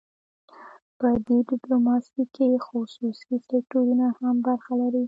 په دې ډیپلوماسي کې خصوصي سکتورونه هم برخه لري